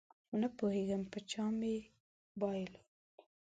خو نپوهېږم په چا مې بایلود